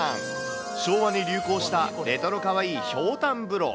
昭和に流行したレトロかわいいひょうたん風呂。